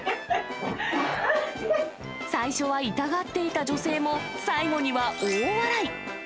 最初は痛がっていた女性も、最後には大笑い。